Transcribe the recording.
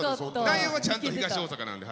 内容はちゃんと東大阪なんで。